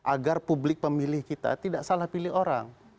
agar publik pemilih kita tidak salah pilih orang